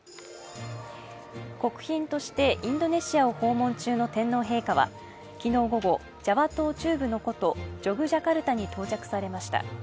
国賓としてインドネシアを訪問中の天皇陛下は、昨日午後、ジャワ島中部の古都・ジョグジャカルタに到着されました。